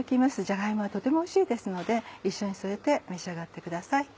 じゃが芋はとてもおいしいですので一緒に添えて召し上がってください。